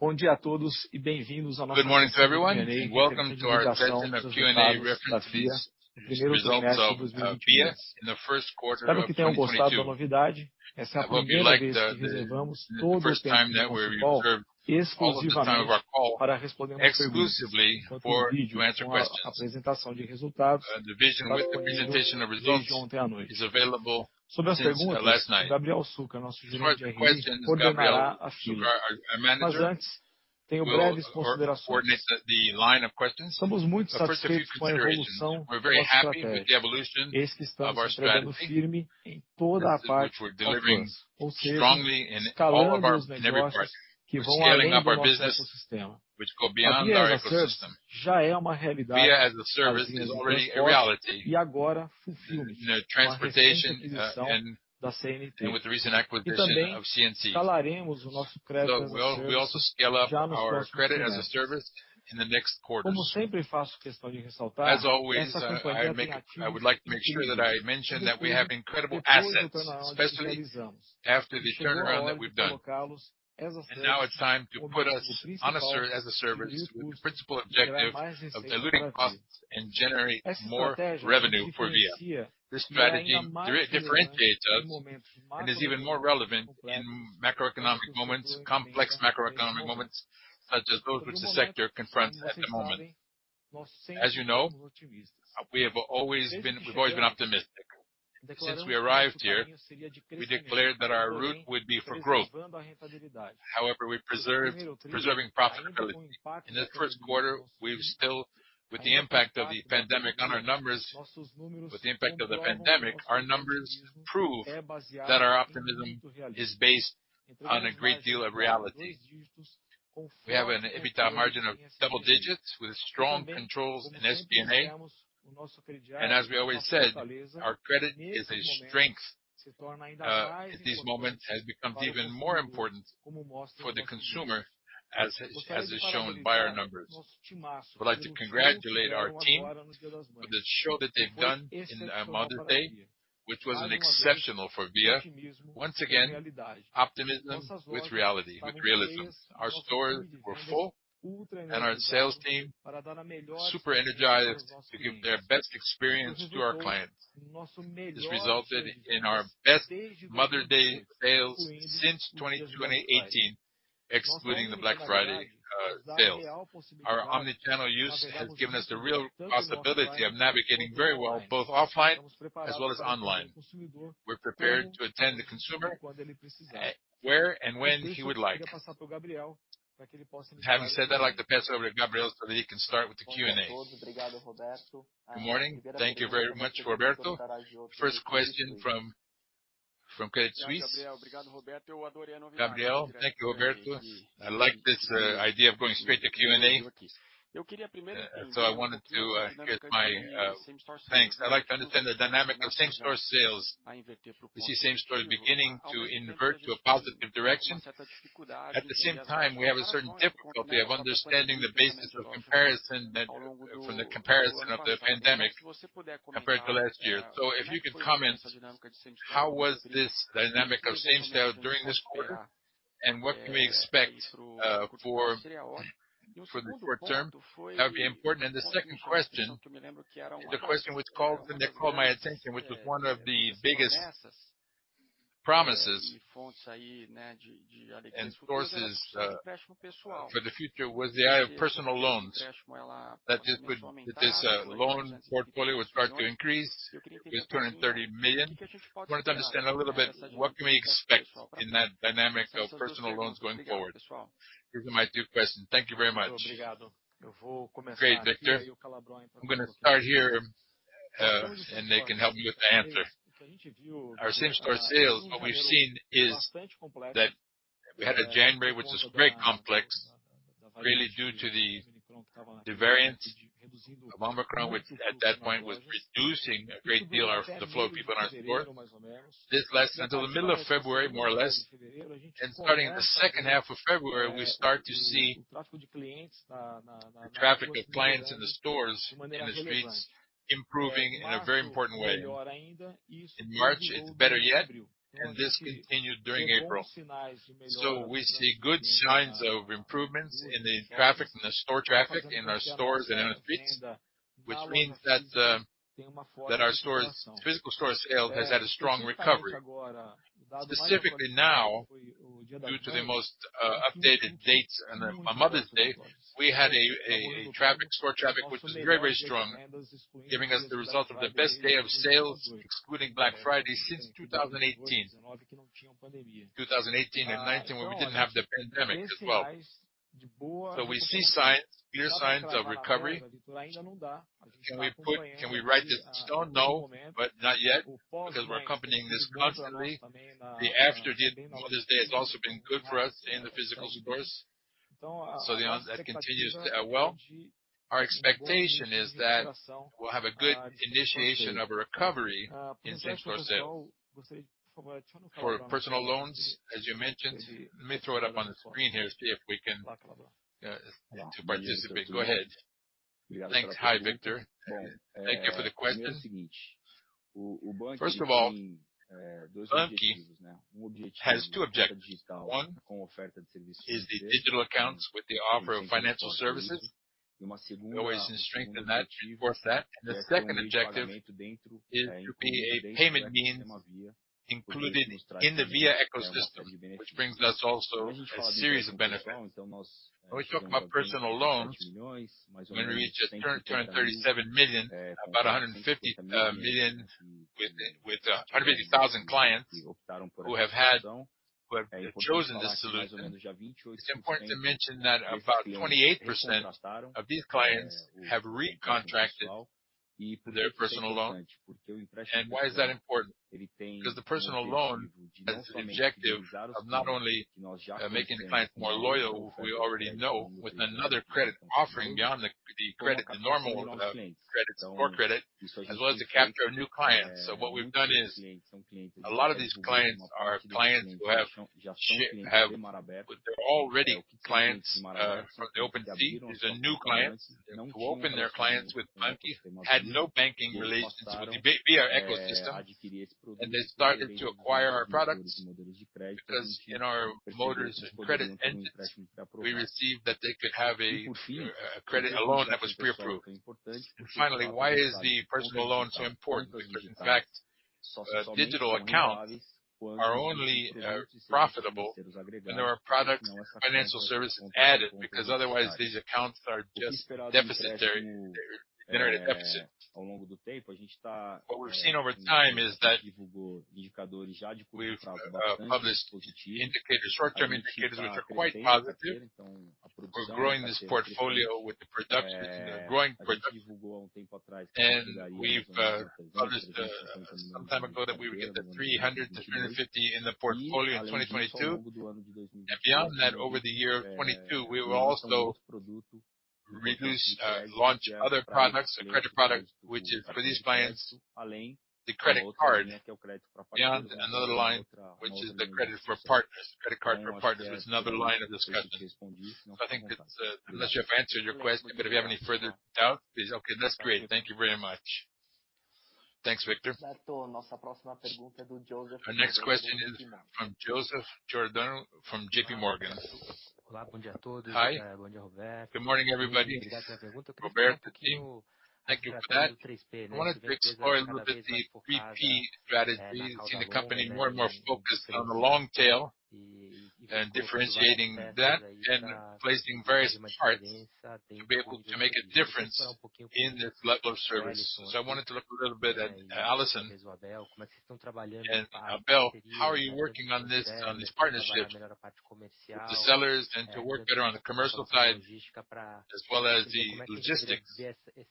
Good morning to everyone, Since we arrived here, we declared that our route would be for growth. However, preserving profitability. In this first quarter, we've still, with the impact of the pandemic, our numbers prove that our optimism is based on a great deal of reality. We have an EBITDA margin of double digits with strong controls in SG&A. As we always said, our credit is a strength, at this moment has become even more important for the consumer as is shown by our numbers. I would like to congratulate our team for the show that they've done in Mother's Day, which was an exceptional for Via. Once again, optimism with reality, with realism. Our stores were full and our sales team super energized to give their best experience to our clients, has resulted in our best Mother's Day sales since 2018, excluding the Black Friday sales. Our omni-channel use has given us the real possibility of navigating very well, both offline as well as online. We're prepared to attend the consumer where and when he would like. Having said that, I'd like to pass over to Gabriel so that he can start with the Q&A. Good morning. Thank you very much, Roberto. First question from Credit Suisse. Gabriel, Thank you, Roberto. I like this idea of going straight to Q&A. I'd like to understand the dynamic of same-store sales. We see same store beginning to invert to a positive direction. At the same time, we have a certain difficulty of understanding the basis of comparison that, from the comparison of the pandemic compared to last year. If you could comment, how was this dynamic of same store during this quarter, and what can we expect for the short term? That would be important. The second question is the question that called my attention, which was one of the biggest promises and sources for the future was the issuance of personal loans, that this loan portfolio would start to increase with 20 million-30 million. I wanted to understand a little bit what can we expect in that dynamic of personal loans going forward. These are my two questions. Thank you very much. Great, Victor. I'm gonna start here, and they can help me with the answer. Our same-store sales, what we've seen is that we had a January which was very complex, really due to the variants of Omicron, which at that point was reducing a great deal the flow of people in our store. This lasted until the middle of February, more or less. Starting the second half of February, we start to see the traffic of clients in the stores and the streets improving in a very important way. In March, it's better yet, and this continued during April. We see good signs of improvements in the traffic, in the store traffic, in our stores and in the streets, which means that that our stores' physical store sales has had a strong recovery. Specifically now, due to the most updated dates and Mother's Day, we had a store traffic which was very, very strong, giving us the result of the best day of sales, excluding Black Friday since 2018 and 2019 when we didn't have the pandemic as well. We see signs, clear signs of recovery. Can we write this? Don't know, but not yet, because we're accompanying this constantly. The aftermath of the Mother's Day has also been good for us in the physical stores. That continues, well. Our expectation is that we'll have a good initiation of a recovery in same-store sales. For personal loans, as you mentioned, let me throw it up on the screen here, see if we can to participate. Go ahead. Thanks. Hi, Victor. Thank you for the question. First of all, banQi has two objectives. One is the digital accounts with the offer of financial services. We always strengthen that, of course that. The second objective is to be a payment means included in the Via ecosystem, which brings us also a series of benefits. When we talk about personal loans, when we reach a turnover 37 million, about 150 million with 150,000 clients who have chosen this solution. It's important to mention that about 28% of these clients have recontracted their personal loan. Why is that important? Because the personal loan has the objective of not only making the clients more loyal, we already know, with another credit offering beyond the credit, the normal credits for credit, as well as to capture new clients. What we've done is, a lot of these clients are clients who have. They're already clients from the Open Sea. These are new clients who open their accounts with banQi, had no banking relationships with the Via ecosystem, and they started to acquire our products because in our models and credit engines, we received that they could have a credit, a loan that was pre-approved. Finally, why is the personal loan so important? Because in fact, digital accounts are only profitable when there are products and financial services added, because otherwise these accounts are just deficit. They're in a deficit. What we've seen over time is that we've published indicators, short-term indicators which are quite positive. We're growing this portfolio with the products, with the growing product. We've published some time ago that we would get to 300-350 in the portfolio in 2022. Beyond that, over the year of 2022, we will also launch other products, a credit product, which is for these clients, the credit card. Beyond another line, which is the credit for partners. Credit card for partners is another line of this credit. I think that answers your question, but if you have any further doubt, please. Okay, that's great. Thank you very much. Thanks, Victor. Our next question is from Joseph Giordano from JPMorgan. Hi. Good morning, everybody. Roberto. Thank you for that. I wanted to explore a little bit the 3P strategy. We've seen the company more and more focused on the long tail and differentiating that and placing various bets to be able to make a difference in this level of service. I wanted to look a little bit at Aloisio and Abel. How are you working on this partnership with the sellers and to work better on the commercial side as well as the logistics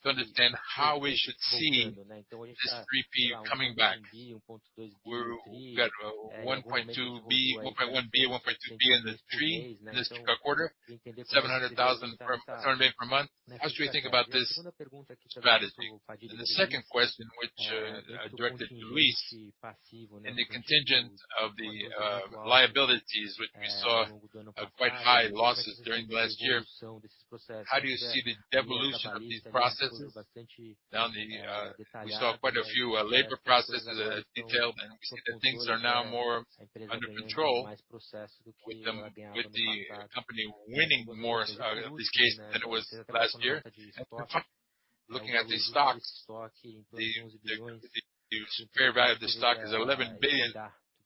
to understand how we should see this 3P coming back? We got BRL 1.2 billion, BRL 1.1 billion, BRL 1.2 billion in the 3P this quarter, 700,000 per month. How should we think about this strategy? The second question, which I directed to Luis. In the contingent of the liabilities, which we saw quite high losses during the last year, how do you see the evolution of these processes? Now we saw quite a few labor processes detailed, and we see that things are now more under control with the company winning more in this case than it was last year. Looking at the stock, the fair value of the stock is 11 billion.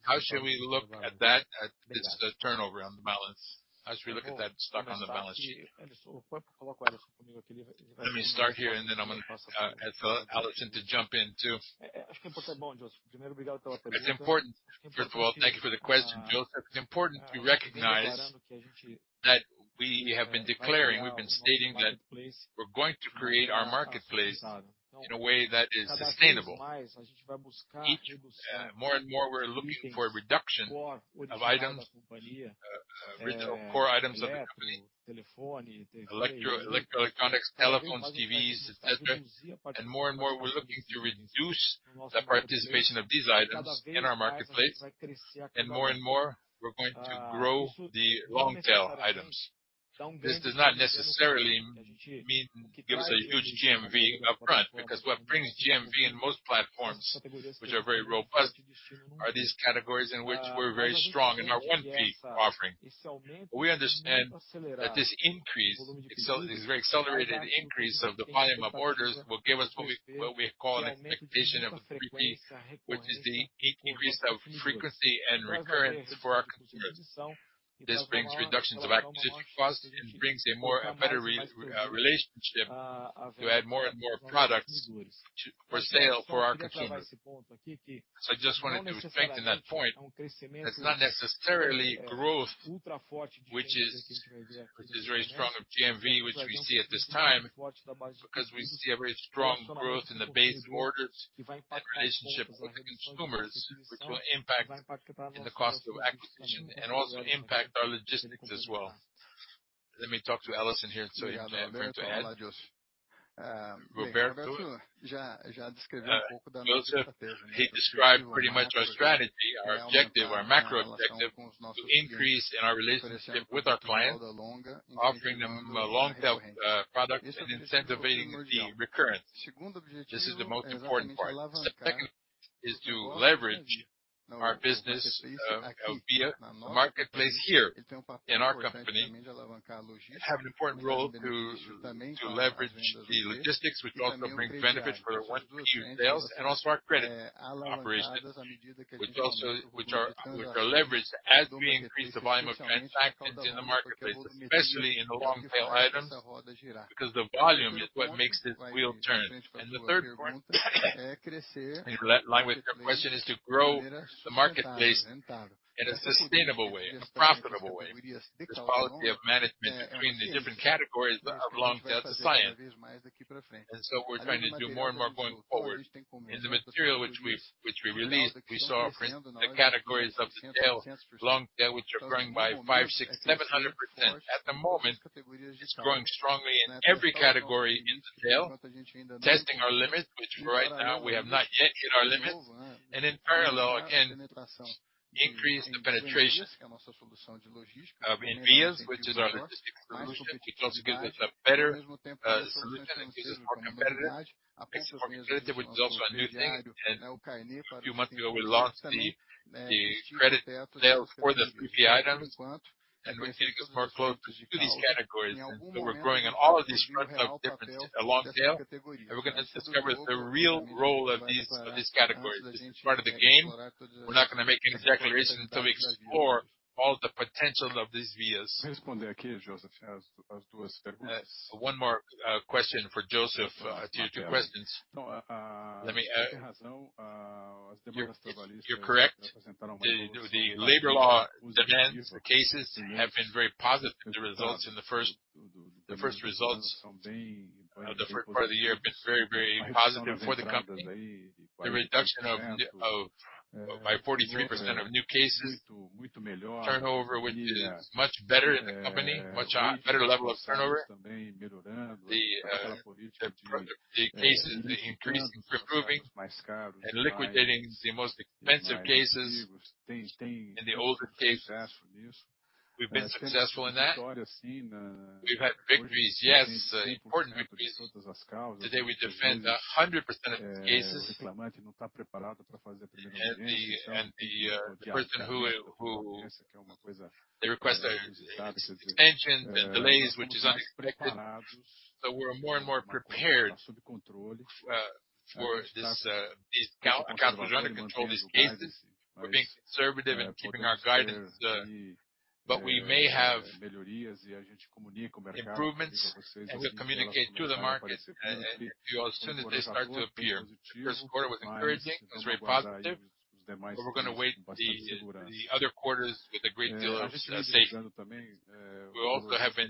How should we look at that, at this turnover on the balance? How should we look at that stock on the balance sheet? Let me start here, and then I'm gonna ask Aloisio to jump in, too. It's important. First of all, thank you for the question, Joseph. It's important to recognize that we have been declaring, we've been stating that we're going to create our marketplace in a way that is sustainable. Each more and more we're looking for a reduction of items of core items of the company. Electronics, telephones, TVs, etc. More and more we're looking to reduce the participation of these items in our marketplace. More and more we're going to grow the long tail items. This does not necessarily mean gives a huge GMV upfront, because what brings GMV in most platforms, which are very robust, are these categories in which we're very strong in our 1P offering. We understand that this increase, this very accelerated increase of the volume of orders will give us what we call an expectation of a 3P, which is the increase of frequency and recurrence for our consumers. This brings reductions of acquisition costs and brings a better relationship to add more and more products for sale for our consumers. I just wanted to strengthen that point. That's not necessarily growth, which is very strong growth of GMV, which we see at this time, because we see a very strong growth in the base orders and relationship with the consumers, which will impact in the cost of acquisition and also impact our logistics as well. Let me talk to Aloisio here, so if you have anything to add. Roberto, Joseph, he described pretty much our strategy, our objective, our macro objective to increase in our relationship with our clients, offering them a long-term product and incentivizing the recurrence. This is the most important part. Second is to leverage our business via the marketplace here in our company. It have an important role to leverage the logistics which also bring benefits for the 1P sales and also our credit operations. Which are leveraged as we increase the volume of transactions in the marketplace, especially in the long tail items, because the volume is what makes this wheel turn. The third part, in line with your question, is to grow the marketplace in a sustainable way, in a profitable way. This quality of management between the different categories of long tail to science. We're trying to do more and more going forward. In the material which we released, we saw the categories of the long tail, which are growing by 500, 600, 700%. At the moment, it's growing strongly in every category in scale, testing our limit, which right now we have not yet hit our limit. In parallel, again, increased penetration in VIA's, which is our logistical solution. It also gives us a better solution and makes us more competitive. Makes us more competitive, which is also a new thing. A few months ago, we launched the credit sale for the 50 items, and we're seeing a good flow to these categories. We're growing in all of these front of different long tail. We're gonna discover the real role of these categories. This is part of the game. We're not gonna make any declarations until we explore all the potentials of these VIA's. One more question for Joseph to your two questions. Let me. You're correct. The labor law demands cases have been very positive. The first results of the first part of the year have been very, very positive for the company. The reduction by 43% of new cases. Turnover, which is much better in the company, much better level of turnover. The cases, the increase is improving and liquidating the most expensive cases and the older cases. We've been successful in that. We've had victories, yes, important victories. Today, we defend 100% of the cases. The person who they request extensions and delays, which is unexpected. We're more and more prepared for this, these cases under control of these cases. We're being conservative in keeping our guidance, but we may have improvements, and we'll communicate to the market and you as soon as they start to appear. The first quarter was encouraging. It was very positive. We're gonna wait the other quarters with a great deal of safety. We also have the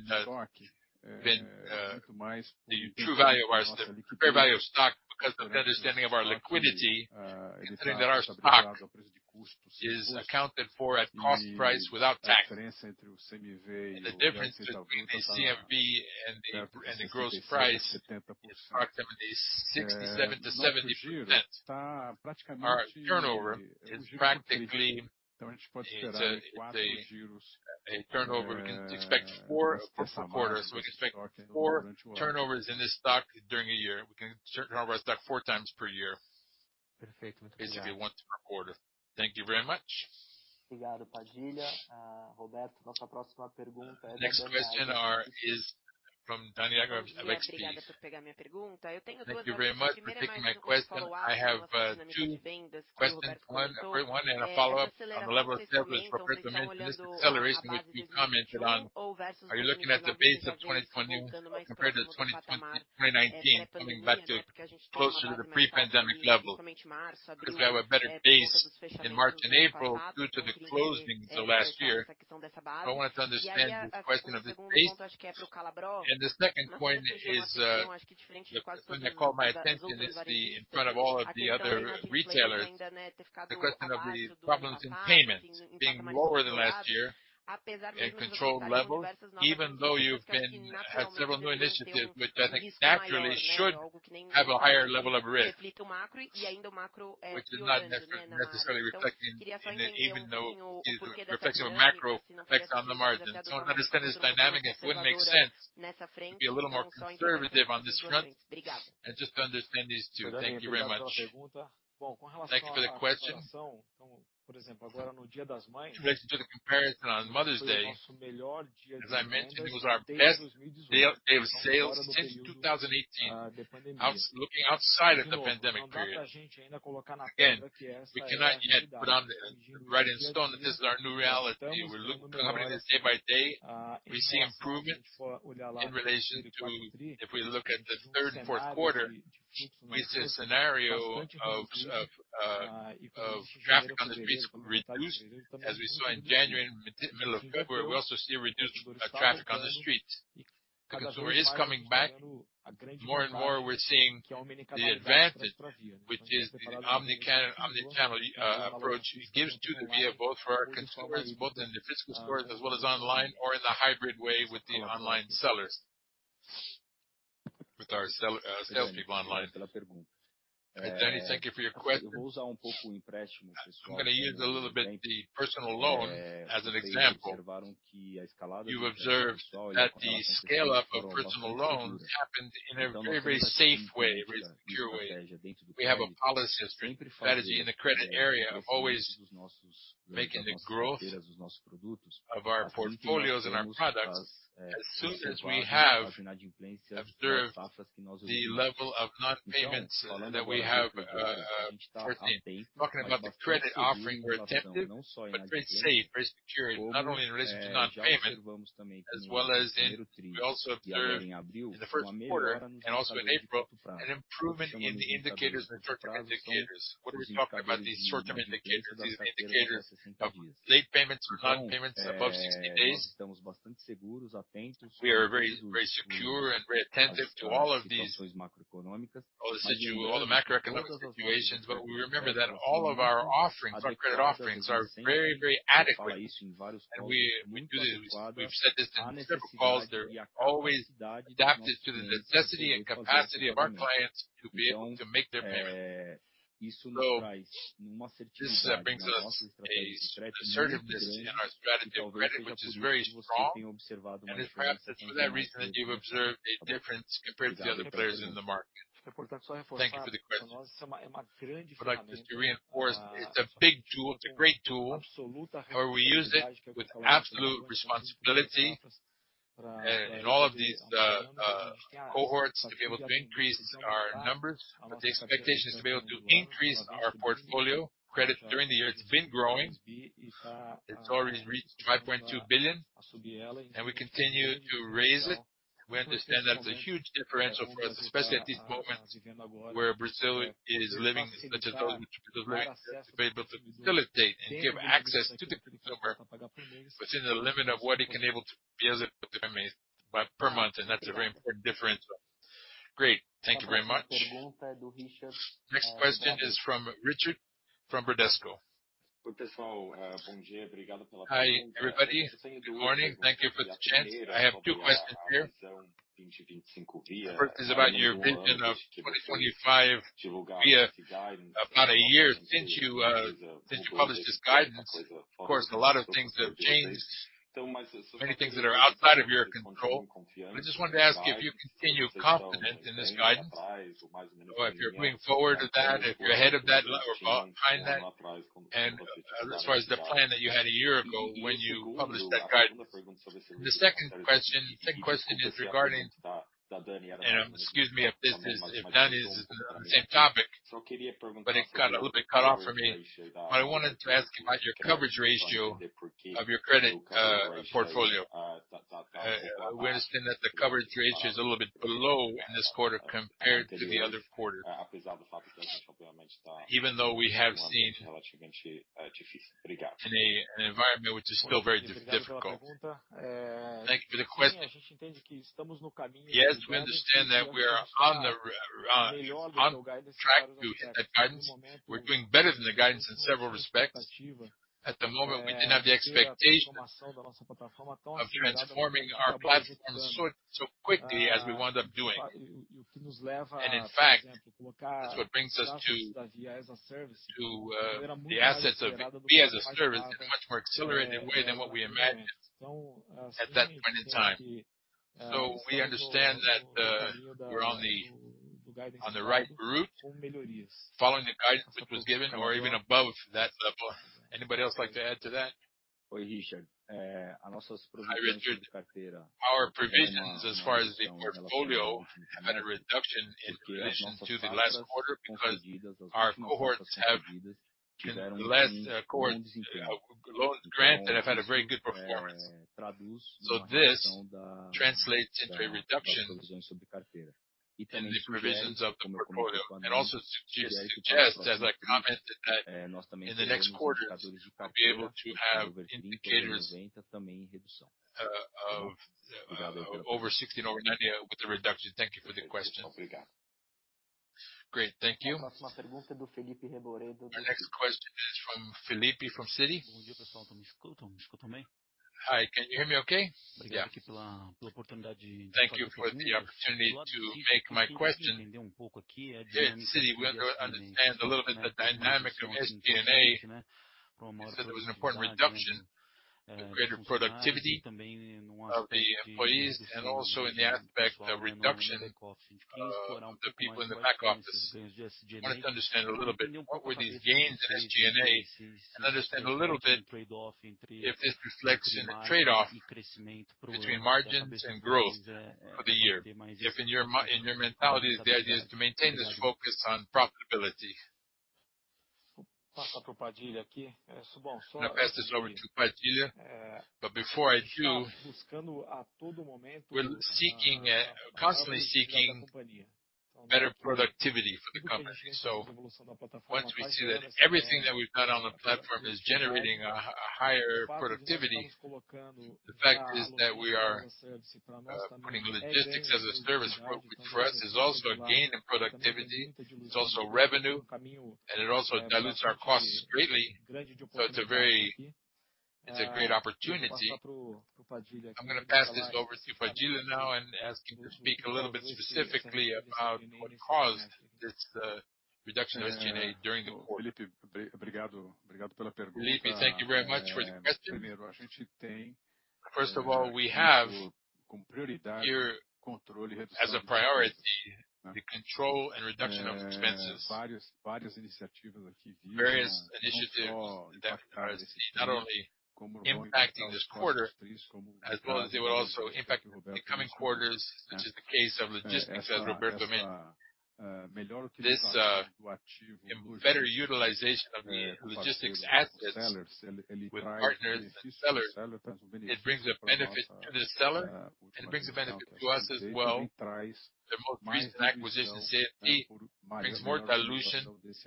true value of our, the fair value of stock because of the understanding of our liquidity, considering that our stock is accounted for at cost price without tax. The difference between the CMV and the gross price is approximately 67%-70%. Our turnover is practically a turnover. We can expect four per quarter, so we can expect four turnovers in this stock during a year. We can turn our stock four times per year. Basically once per quarter. Thank you very much. Next question is from Danniela Eiger of XP. Thank you very much for taking my question. I have two questions. one and a follow-up. On the level of sales for personal management, this acceleration which we commented on, are you looking at the base of 2020 compared to 2019 coming back closer to the pre-pandemic level? Because we have a better base in March and April due to the closings of last year. I wanted to understand the question of the base. The second point is, the point that caught my attention is the, in front of all of the other retailers, the question of the problems in payments being lower than last year and controlled levels, even though you've had several new initiatives which I think naturally should have a higher level of risk. Which is not necessarily reflecting in them, even though it's reflecting the macro effects on the margins. I want to understand this dynamic. It wouldn't make sense to be a little more conservative on this front. Just to understand these two. Thank you very much. Thank you for the question. With respect to the comparison on Mother's Day, as I mentioned, it was our best day of sales since 2018. Looking outside of the pandemic period. Again, we cannot yet write in stone that this is our new reality. We're looking at this day by day. We see improvements in relation to if we look at the third and fourth quarter. We see a scenario of traffic on the streets reduced, as we saw in January and middle of February. We also see reduced traffic on the streets. The consumer is coming back. More and more we're seeing the advantage, which is the omni-channel approach gives to the Via both for our consumers, both in the physical stores as well as online or in the hybrid way with the online sellers. With our sales salespeople online. Danniela, thank you for your question. I'm gonna use a little bit the personal loan as an example. You observed that the scale up of personal loans happened in a very safe way, very secure way. We have a policy strategy in the credit area of always making the growth of our portfolios and our products. As soon as we have observed the level of non-payments that we have maintained. Talking about the credit offering, we're attentive, but very safe, very secure, not only in risk to non-payment, as well as. We also observed in the first quarter and also in April, an improvement in the indicators, certain indicators. What are we talking about, these certain indicators? These indicators of late payments or non-payments above 60 days. We are very, very secure and very attentive to all of these, all the macroeconomic situations. We remember that all of our offerings, our credit offerings are very, very adequate. We do this. We've said this in several calls. They're always adapted to the necessity and capacity of our clients to be able to make their payment. This brings us a assertiveness in our strategy of credit, which is very strong. Perhaps it's for that reason that you've observed a difference compared to the other players in the market. Thank you for the question. I'd like just to reinforce, it's a big tool. It's a great tool, how we use it with absolute responsibility. In all of these cohorts, to be able to increase our numbers. The expectation is to be able to increase our portfolio credit during the year. It's been growing. It's already reached 5.2 billion, and we continue to raise it. We understand that's a huge differential for us, especially at this moment where Brazil is living, especially those with lower income, to be able to facilitate and give access to the consumer within the limit of what he can able to be able to pay per month. That's a very important difference. Great. Thank you very much. Next question is from Richard, from Bradesco BBI. Hi, everybody. Good morning. Thank you for the chance. I have two questions here. First is about your vision of 2025 Via about a year since you since you published this guidance. Of course, a lot of things have changed, many things that are outside of your control. I just wanted to ask you if you continue confident in this guidance or if you're moving forward to that, if you're ahead of that or behind that. As far as the plan that you had a year ago when you published that guidance. The second question is regarding. Excuse me if this is, if Danniela is in the same topic, but it's gotten a little bit cut off for me. I wanted to ask about your coverage ratio of your credit portfolio. We understand that the coverage ratio is a little bit below in this quarter compared to the other quarter, even though we have seen in an environment which is still very difficult. Thank you for the question. Yes, we understand that we are on track to hit that guidance. We're doing better than the guidance in several respects. At the moment, we didn't have the expectation of transforming our platform so quickly as we wound up doing. In fact, that's what brings us to the assets of Via as a service in a much more accelerated way than what we imagined at that point in time. We understand that, we're on the right route following the guidance that was given or even above that level. Anybody else like to add to that? Hi, Richard. Our provisions as far as the portfolio had a reduction in relation to the last quarter because our cohorts have in the last cohorts loans granted that have had a very good performance. This translates into a reduction in the provisions of the portfolio. Also suggests, as I commented, that in the next quarters, we'll be able to have indicators of over 60 and over 90 with the reduction. Thank you for the question. Great. Thank you. Our next question is from Felipe, from Citi. Hi, can you hear me okay? Yeah. Thank you for the opportunity to make my question. At Citi, we want to understand a little bit the dynamic of SG&A, because there was an important reduction, the greater productivity of the employees and also in the aspect of reduction of the people in the back office. I wanted to understand a little bit what were these gains in SG&A and understand a little bit if this reflects in a trade-off between margins and growth for the year. If in your mentality, the idea is to maintain this focus on profitability. I'm gonna pass this over to Padilha. Before I do, we're constantly seeking better productivity for the company. Once we see that everything that we've got on the platform is generating a higher productivity, the fact is that we are putting logistics as a service for us is also a gain in productivity. It's also revenue, and it also dilutes our costs greatly. It's a great opportunity. I'm gonna pass this over to Padilha now and ask him to speak a little bit specifically about what caused this reduction of SG&A during the quarter. Felipe, thank you very much for the question. First of all, we have here as a priority the control and reduction of expenses. Various initiatives that are not only impacting this quarter, as well as they will also impact the coming quarters, which is the case of logistics, as Roberto mentioned. This better utilization of the logistics assets with partners and sellers, it brings a benefit to the seller and it brings a benefit to us as well. The most recent acquisition, CNT, brings more dilution with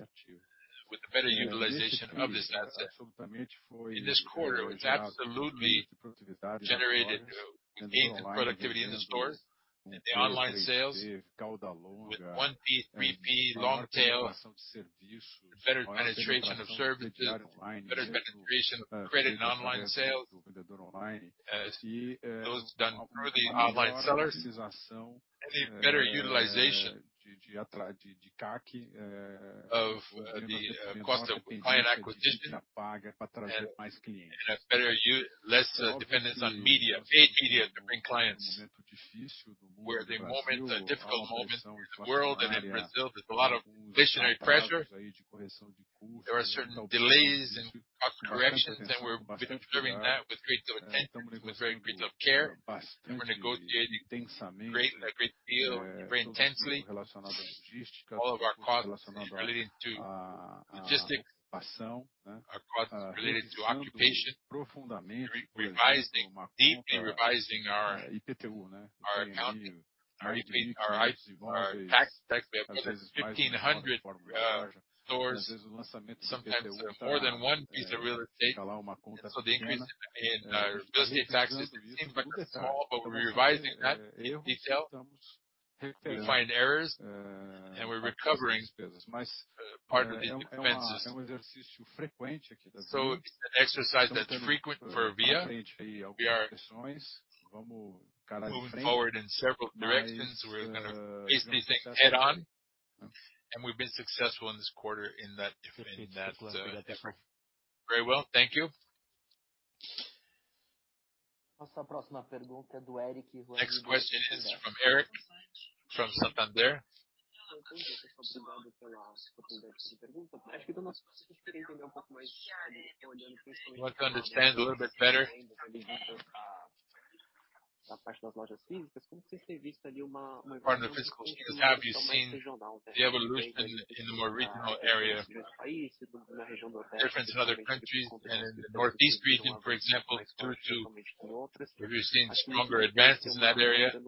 the better utilization of this asset. In this quarter, it was absolutely generated. We gained productivity in the stores and the online sales with 1P, 3P long tail, better penetration of services, better penetration of credit in online sales, those done through the online sellers. A better utilization of the cost of client acquisition and a better, less dependence on media, paid media to bring clients. We're at a moment, a difficult moment in the world and in Brazil. There's a lot of inflationary pressure. There are certain delays in cost corrections, and we're observing that with great attention, with very great care. We're negotiating a great deal very intensely all of our costs relating to logistics, our costs related to occupation. Deeply revising our account, our IP, our tax. We have more than 1,500 stores, sometimes more than one piece of real estate. The increase in real estate taxes may seem very small, but we're revising that detail. We find errors, and we're recovering part of the expenses. It's an exercise that's frequent for Via. We are moving forward in several directions. We're gonna face these things head-on, and we've been successful in this quarter in that. Very well, thank you. Next question is from Eric from Santander. We want to understand a little bit better. On the physical stores, have you seen the evolution in a more regional area, difference in other countries and in the northeast region, for example, have you seen stronger advances in that area? To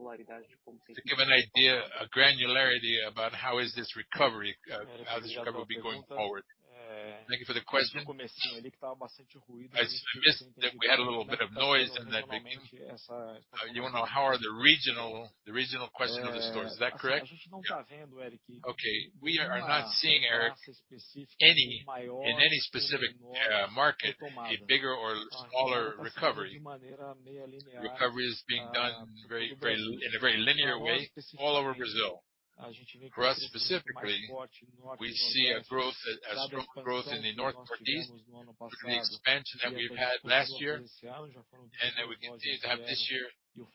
give an idea, a granularity about how is this recovery, how this recovery will be going forward. Thank you for the question. I missed that. We had a little bit of noise. You wanna know how are the regional question of the stores, is that correct? Yeah. Okay. We are not seeing, Eric, any in any specific market, a bigger or smaller recovery. Recovery is being done in a very linear way all over Brazil. For us specifically, we see a growth, a strong growth in the North Northeast through the expansion that we've had last year. We continue to have this year,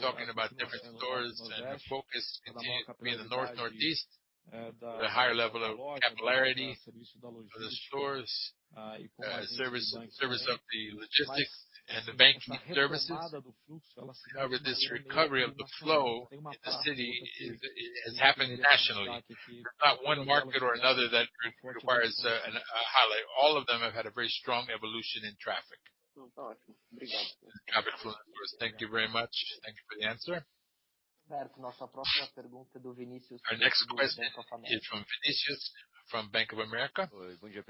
talking about different stores, and the focus continues to be in the North Northeast with a higher level of capillarity for the stores, service of the logistics and the banking services. However, this recovery of the flow in the city is happening nationally. There's not one market or another that requires a highlight. All of them have had a very strong evolution in traffic. Thank you very much. Thank you for the answer. Our next question is from Vinicius from Bank of America. Good morning,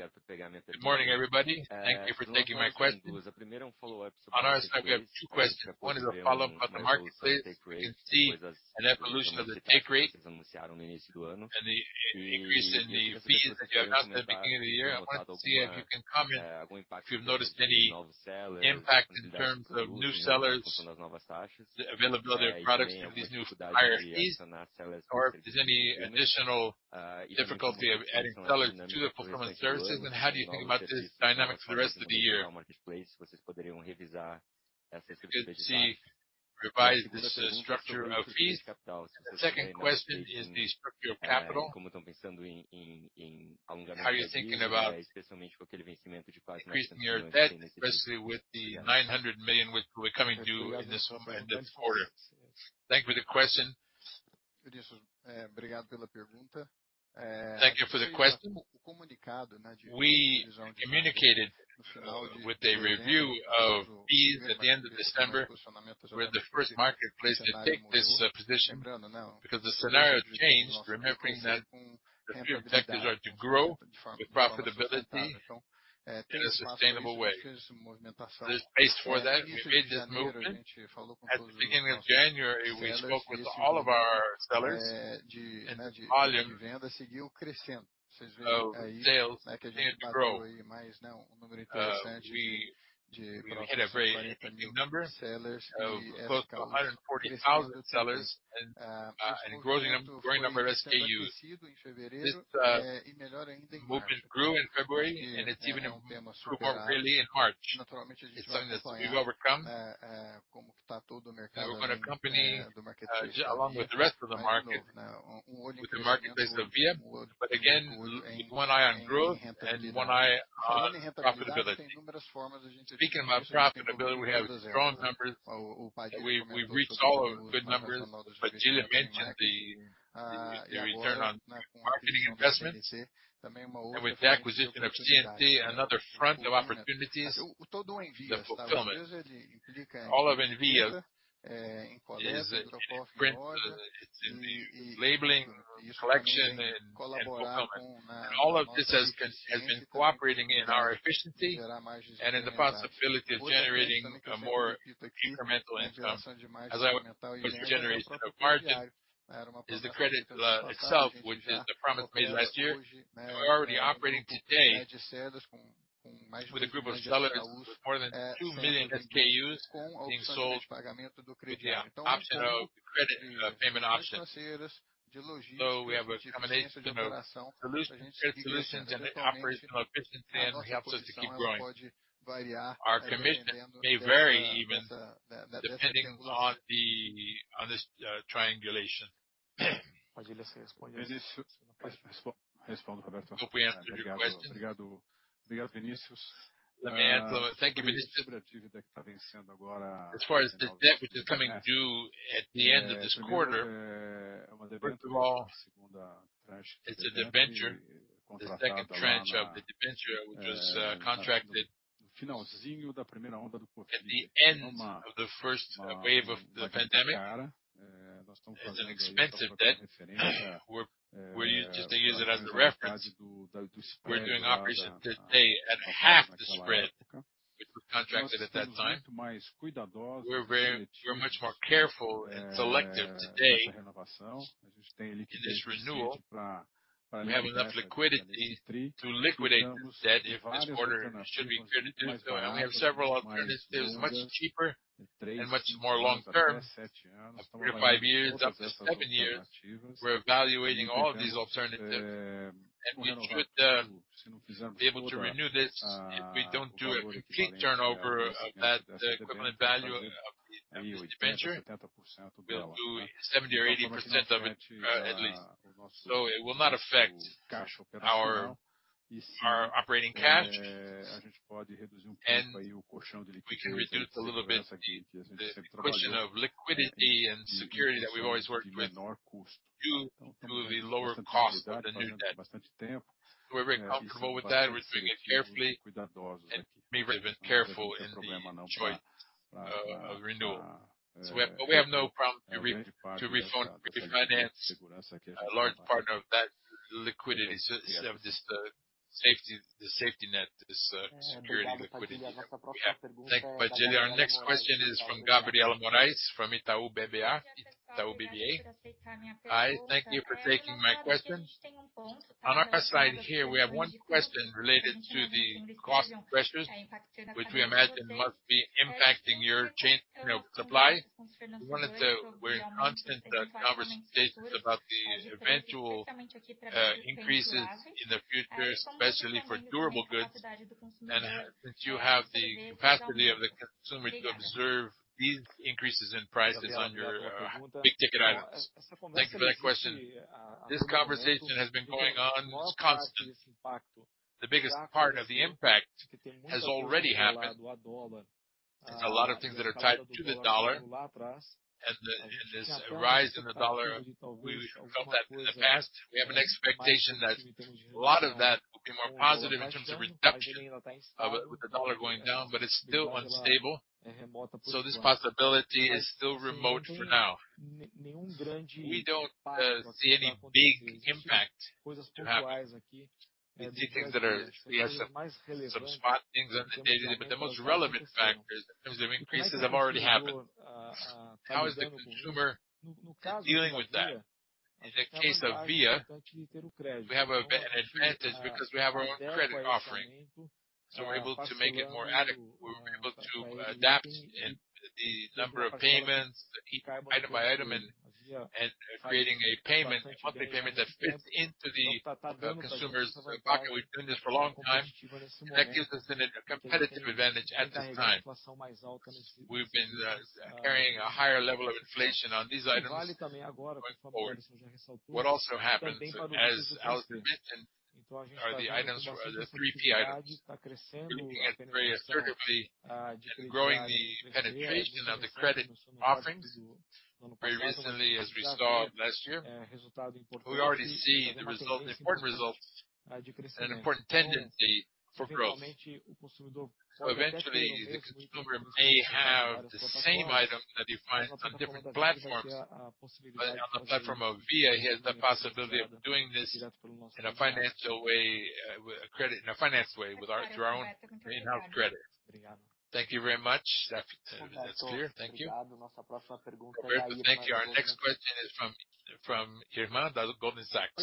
everybody. Thank you for taking my question. On our side, we have two questions. One is a follow-up on the marketplace. You can see an evolution of the take rate and the increase in the fees that you announced at the beginning of the year. I wanted to see if you can comment if you've noticed any impact in terms of new sellers, the availability of products from these new higher fees. Or if there's any additional difficulty of adding sellers to the performance services, and how do you think about this dynamic for the rest of the year? You could see revised this structure of fees. The second question is the structure of capital. How are you thinking about increasing your debt, especially with the 900 million which will be coming due in this quarter? Thank you for the question. We communicated with a review of fees at the end of December. We're the first marketplace to take this position because the scenario changed, remembering that the three objectives are to grow the profitability in a sustainable way. There's space for that. We made this movement. At the beginning of January, we spoke with all of our sellers. Volume of sales continued to grow. We hit a very new number of both 140,000 sellers and growing number of SKUs. This movement grew in February, and it's even grew more really in March. It's something that we will overcome. We're gonna accompany along with the rest of the market with the marketplace of Via. Again, one eye on growth and one eye on profitability. Speaking about profitability, we have strong numbers. We've reached all our good numbers. Padilha mentioned the return on marketing investment. With the acquisition of CNT, another front of opportunities, the fulfillment. All of Via is, it's in print, it's in the labeling, collection and fulfillment. All of this has been cooperating in our efficiency and in the possibility of generating more incremental income. The generation of margin is the credit itself, which is the promise made last year. We're already operating today with a group of sellers with more than 2 million SKUs being sold with the option of the credit payment option. We have a combination of solutions and the operational efficiency and helps us to keep growing. Our commitment may vary even depending on this triangulation. Padilha, respond to this. Hope we answered your question. Thank you. Thank you, Vinicius. Let me add. Thank you, Vinicius. As far as the debt which is coming due at the end of this quarter, first of all, it's a debenture. The second tranche of the debenture was contracted at the end of the first wave of the pandemic. It's an expensive debt. We're just to use it as a reference, we're doing operations today at half the spread which we contracted at that time. We're much more careful and selective today in this renewal. We have enough liquidity to liquidate this debt if this quarter should be weaker. We have several alternatives, much cheaper and much more long-term, up to five years, up to seven years. We're evaluating all of these alternatives. We should be able to renew this if we don't do a complete turnover of that equivalent value of the debenture. We'll do 70% or 80% of it, at least. It will not affect our operating cash. We can reduce a little bit the question of liquidity and security that we've always worked with to the lower cost, the new debt. We're very comfortable with that. We're doing it carefully and being very careful in the joint renewal. We have no problem to refund, refinance a large part of that liquidity. Instead of just the safety net, this security liquidity. Yeah. Thank you, Padilha. Our next question is from Gabriela Moraes from Itaú BBA. Itaú BBA. Hi. Thank you for taking my question. On our side here, we have one question related to the cost pressures, which we imagine must be impacting your chain, you know, supply. We're in constant conversations about the eventual increases in the future, especially for durable goods. Since you have the capacity of the consumer to observe these increases in prices on your big-ticket items. Thank you for that question. This conversation has been going on. It's constant. The biggest part of the impact has already happened. There's a lot of things that are tied to the US dollar and this rise in the US dollar. We felt that in the past. We have an expectation that a lot of that will be more positive in terms of redemption of it, with the US dollar going down, but it's still unstable. This possibility is still remote for now. We don't see any big impact happening. We see things that are. We have some spot things on the day-to-day, but the most relevant factors in terms of increases have already happened. How is the consumer dealing with that? In the case of Via, we have an advantage because we have our own credit offering, so we're able to adapt in the number of payments item by item and creating a payment, monthly payment that fits into the consumer's pocket. We've been doing this for a long time. That gives us a competitive advantage at this time. We've been carrying a higher level of inflation on these items going forward. What also happens, as Aloisio mentioned, are the items for the 3P items. We're looking at them very assertively and growing the penetration of the credit offerings very recently, as we saw last year. We already see the result, important result and important tendency for growth. Eventually the consumer may have the same item that you find on different platforms, but on the platform of Via, he has the possibility of doing this in a financial way, with a credit, in a finance way with our own in-house credit. Thank you very much. That, that's clear. Thank you. Thank you. Our next question is from Irma of Goldman Sachs.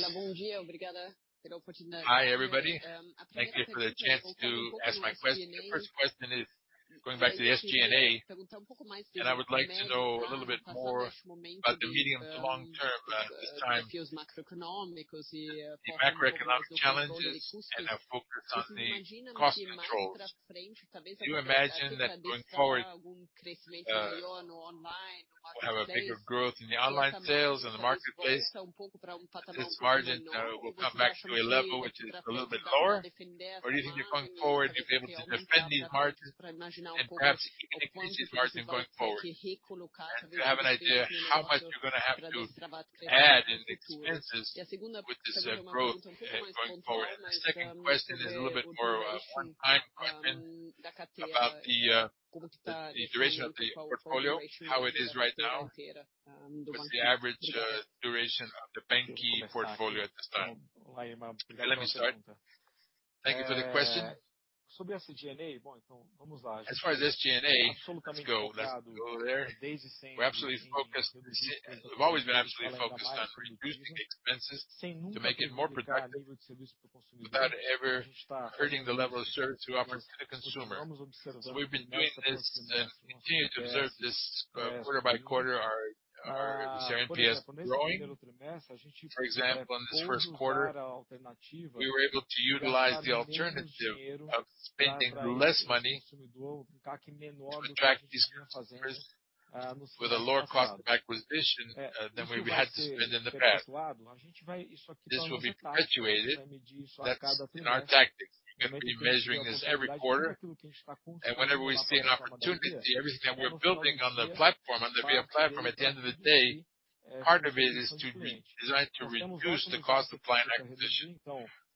Hi, everybody. Thank you for the chance to ask my question. The first question is going back to the SG&A. I would like to know a little bit more about the medium to long term, this time the macroeconomic challenges and have focused on the cost controls. Do you imagine that going forward, we'll have a bigger growth in the online sales and the marketplace? This margin will come back to a level which is a little bit lower. Do you think that going forward you'll be able to defend these margins and perhaps even increase these margins going forward? To have an idea how much you're gonna have to add in expenses with this growth going forward. The second question is a little bit more of a one-time question about the duration of the portfolio, how it is right now. What's the average duration of the banQi portfolio at this time? Let me start. Thank you for the question. As far as SG&A, let's go. Let's go there. We're absolutely focused. We've always been absolutely focused on reducing the expenses to make it more productive without ever hurting the level of service we offer to the consumer. We've been doing this and continue to observe this quarter by quarter. Our NPS growing. For example, in this first quarter, we were able to utilize the alternative of spending less money to attract these new customers with a lower cost of acquisition than what we had to spend in the past. This will be perpetuated. That's in our tactics. We're gonna be measuring this every quarter. Whenever we see an opportunity, everything we're building on the platform, on the Via platform, at the end of the day, part of it is to redesigned to reduce the cost of client acquisition.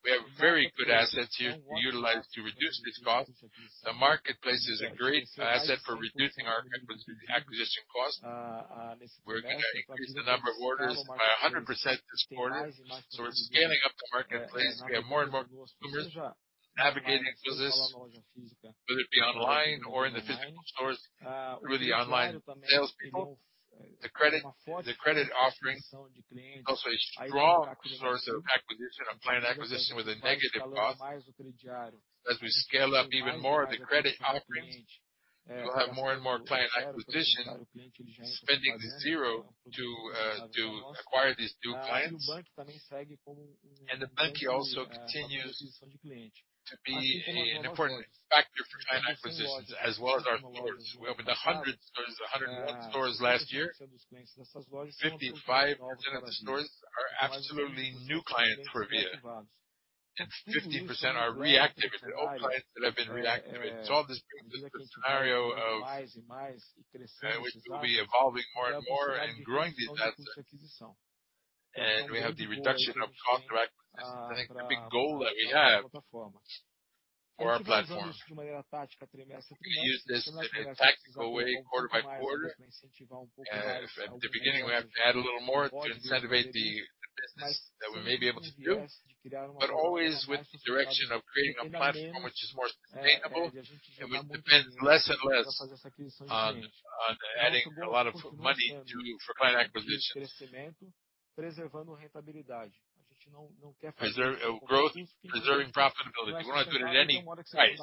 We have very good assets here utilized to reduce these costs. The marketplace is a great asset for reducing our acquisition cost. We're gonna increase the number of orders by 100% this quarter. We're scaling up the marketplace. We have more and more consumers navigating through this, whether it be online or in the physical stores through the online salespeople. The credit offering is also a strong source of acquisition and client acquisition with a negative cost. As we scale up even more the credit offerings, we'll have more and more client acquisition spending at zero to acquire these new clients. The banQi also continues to be an important factor for client acquisitions as well as our stores. We opened 100 stores, 101 stores last year. 55% of the stores are absolutely new clients for Via, and 50% are reactivated old clients that have been. I mean, so all this brings us a scenario of, which will be evolving more and more and growing the asset. We have the reduction of cost of acquisition. I think big goal that we have for our platform. We use this in a tactical way quarter by quarter. If at the beginning we have to add a little more to incentivize the business that we may be able to do, but always with the direction of creating a platform which is more sustainable and which depends less and less on adding a lot of money for client acquisitions. Preserve growth, preserving profitability. We want to do it at any price.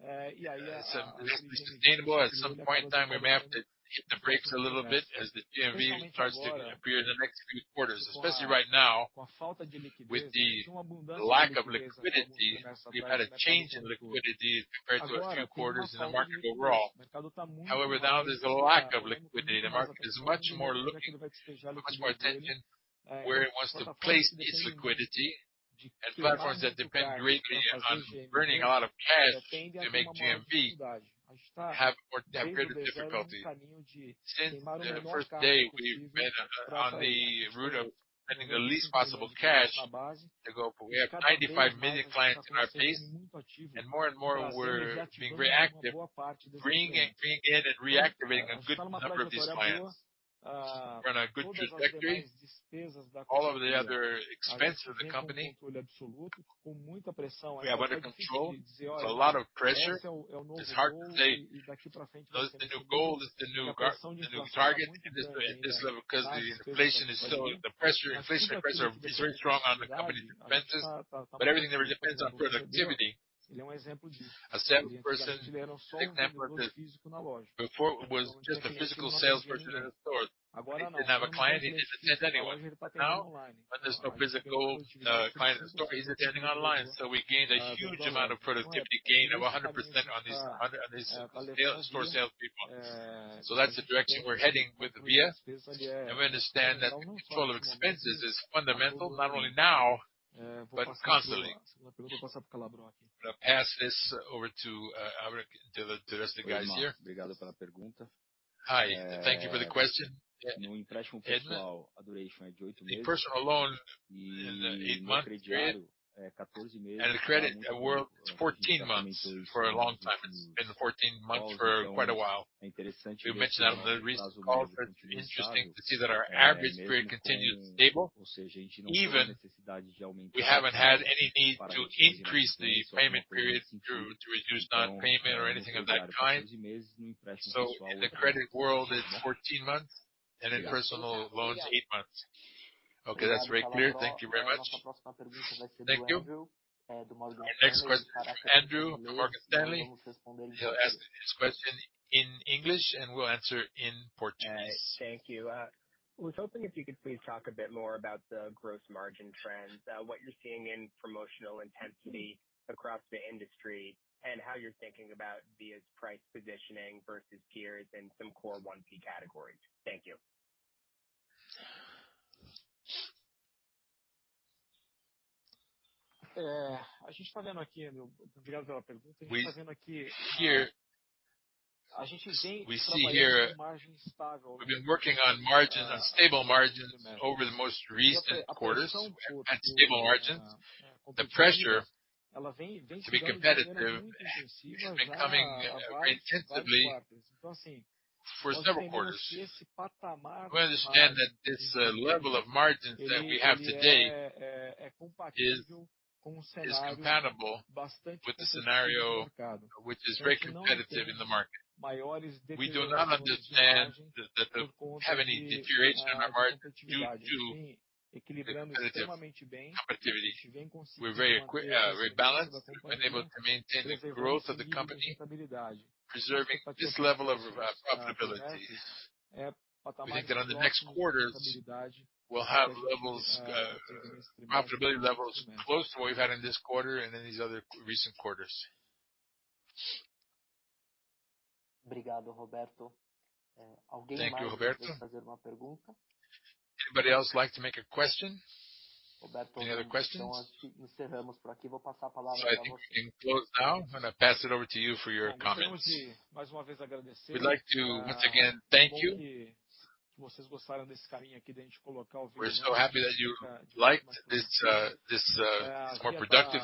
It's sustainable. At some point in time, we may have to hit the brakes a little bit as the GMV starts to appear in the next few quarters. Especially right now with the lack of liquidity. We've had a change in liquidity compared to a few quarters in the market overall. However, now there's a lack of liquidity. The market is much more selective, much more attention where it wants to place its liquidity. Platforms that depend greatly on burning a lot of cash to make GMV have greater difficulty. Since the first day, we've been on the route of spending the least possible cash to go. We have 95 million clients in our base, and more and more we're being very active, bringing in and reactivating a good number of these clients. We're on a good trajectory. All of the other expenses of the company we have under control. It's a lot of pressure. It's hard to say, "No, this is the new goal. This is the new target." In this level, because the inflation is still. The pressure. Inflation pressure is very strong on the company's expenses, but everything really depends on productivity. A salesperson, for example, that before was just a physical salesperson in the stores. He didn't have a client. He didn't attend anyone. Now, when there's no physical client in the store, he's attending online. We gained a huge amount of productivity gain of 100% on these store salespeople. That's the direction we're heading with Via. We understand that control of expenses is fundamental, not only now, but constantly. I'm gonna pass this over to the rest of the guys here. Hi, thank you for the question. Irma. The personal loan in eight months period and the credit card, 14 months. For a long time, it's been 14 months for quite a while. We mentioned that on the recent call. It's interesting to see that our average period continues stable. Even we haven't had any need to increase the payment period to reduce non-payment or anything of that kind. In the credit world, it's 14 months. In personal loans, eight months. Okay, that's very clear. Thank you very much. Thank you. Next question from Andrew from Morgan Stanley. He'll ask his question in English, and we'll answer in Portuguese. All right. Thank you. Was hoping if you could please talk a bit more about the gross margin trends. What you're seeing in promotional intensity across the industry, and how you're thinking about Via's price positioning versus peers and some core 1P categories. Thank you. We've been working on margins, on stable margins over the most recent quarters. At stable margins. The pressure to be competitive has been coming intensively for several quarters. We understand that this level of margins that we have today is compatible with the scenario which is very competitive in the market. We do not understand that we have any deterioration in our margin due to the competitive competitiveness. We're very balanced. We've been able to maintain the growth of the company, preserving this level of profitability. We think that on the next quarters, we'll have profitability levels close to what we've had in this quarter and in these other recent quarters. Thank you, Roberto. Anybody else like to make a question? Any other questions? I think we can close now. I'm gonna pass it over to you for your comments. We'd like to once again thank you. We're so happy that you liked this more productive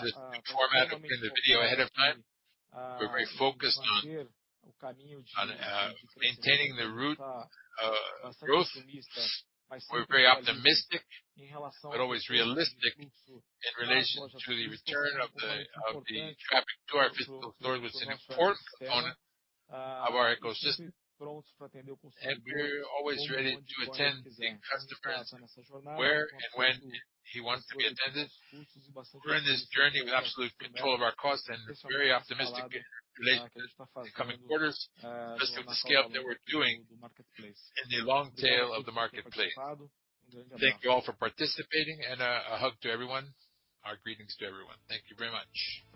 format of putting the video ahead of time. We're very focused on maintaining the robust growth. We're very optimistic but always realistic in relation to the return of the traffic to our physical stores, which is an important component of our ecosystem. We're always ready to attend the customer where and when he wants to be attended. During this journey, we have absolute control of our costs and very optimistic in relation to the coming quarters because of the scale that we're doing in the long tail of the marketplace. Thank you all for participating, and a hug to everyone. Our greetings to everyone. Thank you very much.